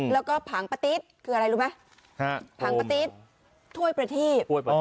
แล้วก็ผังปะติ๊ดคืออะไรรู้ไหมผังปะติ๊ดถ้วยประทีบ